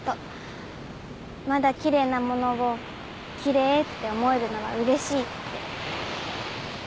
「まだ奇麗なものを奇麗って思えるのがうれしい」って。